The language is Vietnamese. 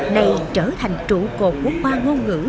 này trở thành trụ cột của khoa ngôn ngữ